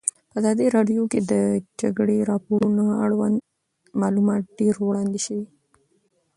په ازادي راډیو کې د د جګړې راپورونه اړوند معلومات ډېر وړاندې شوي.